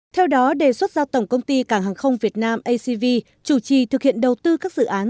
theo đó đề xuất giao tổng công ty cảng hàng không việt nam acv chủ trì thực hiện đầu tư các dự án